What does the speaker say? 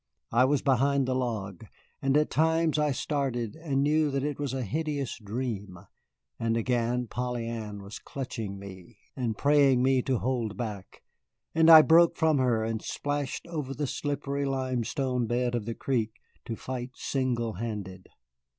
I was behind the log, and at times I started and knew that it was a hideous dream, and again Polly Ann was clutching me and praying me to hold back, and I broke from her and splashed over the slippery limestone bed of the creek to fight single handed.